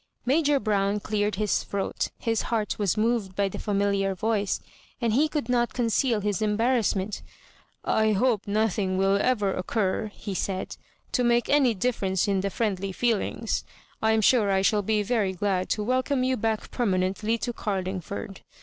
Major Brown cleared his throat ; his heart was moved by the familiar voice, and he could not conceal his embarrassment "I hope nothing will ever occur," he said, " to make any differ ence in the friendly feelings — I am sure I shall be very glad to welcome you back permanently to Carlingford.